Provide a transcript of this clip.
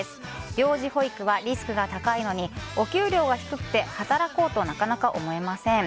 病児保育はリスクが高いのにお給料は低くて働こうとなかなか思いません。